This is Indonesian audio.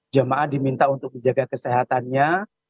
jamaah diminta untuk menjaga kesehatannya